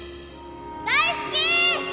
大好き！